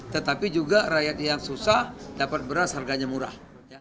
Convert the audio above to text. tetapi juga rakyat yang susah dapat beras harganya murah